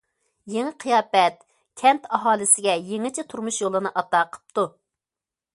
يېڭى قىياپەت كەنت ئاھالىسىگە يېڭىچە تۇرمۇش يولىنى ئاتا قىپتۇ.